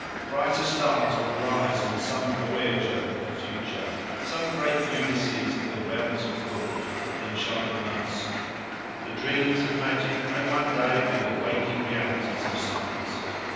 Brighter stars will rise on some voyager of the future some great Ulysses of the realms of thought than shine on us. The dreams of magic may one day be the waking realities of science.